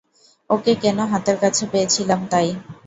ওকে কেন হাতের কাছে পেয়েছিলাম তাই।